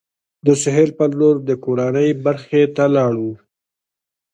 د سهیل پر لور کورنۍ برخې ته لاړو.